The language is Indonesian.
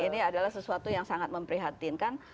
ini adalah sesuatu yang sangat memprihatinkan